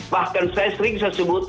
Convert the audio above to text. bahkan sesering tersebut